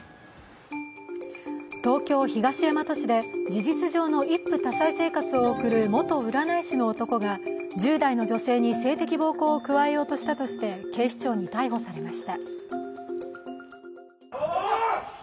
東京・東大和市で事実上の一夫多妻生活を送る元占い師の男が１０代の女性に性的暴行を加えようとしたとして警視庁に逮捕されました。